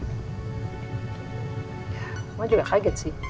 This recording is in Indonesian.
mama juga kaget sih